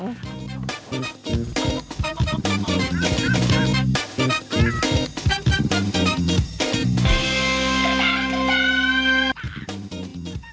จ้าจ้าจ้า